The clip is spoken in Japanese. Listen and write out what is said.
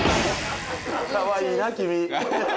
かわいいな君。